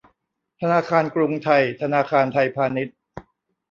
ธนาคารกรุงไทย ธนาคารไทยพาณิชย์